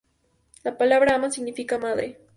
La palabra "Amma" significa madre.